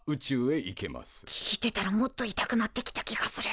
聞いてたらもっと痛くなってきた気がする。